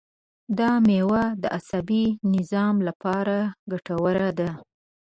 دا مېوه د عصبي نظام لپاره ګټوره ده.